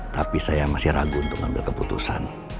tapi saya masih ragu untuk ngambil keputusan